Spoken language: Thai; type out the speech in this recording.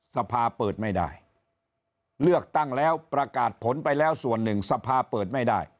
สภาเปิดไม่ได้เลือกตั้งแล้วประกาศผลไปแล้วส่วนหนึ่งสภาเปิดไม่ได้